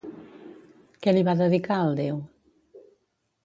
Què li va dedicar el déu?